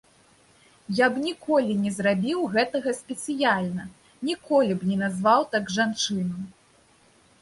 Я б ніколі не зрабіў гэтага спецыяльна, ніколі б не назваў так жанчыну.